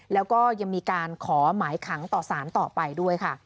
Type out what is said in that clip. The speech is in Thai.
แล้วก็ยังมีการขอหมายขังต่อสารต่อไปด้วยค่ะ